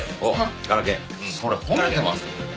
それ褒めてます？